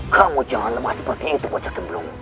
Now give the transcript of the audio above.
kamu jangan lembek seperti itu buca gemblung